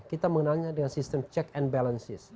kita mengenalnya dengan sistem check and balances